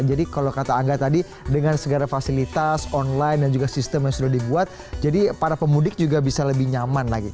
jadi kalau kata angga tadi dengan segala fasilitas online dan juga sistem yang sudah dibuat jadi para pemudik juga bisa lebih nyaman lagi